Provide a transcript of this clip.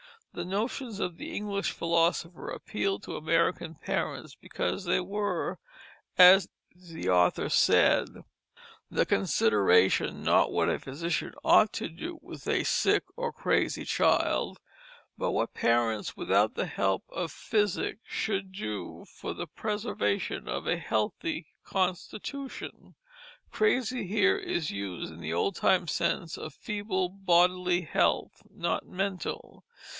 The notions of the English philosopher appealed to American parents because they were, as the author said, "the consideration not what a physician ought to do with a sick or crazy child, but what parents without the help of physic should do for the preservation of an healthy constitution." Crazy here is used in the old time sense of feeble bodily health, not mental.